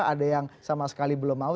ada yang sama sekali belum mau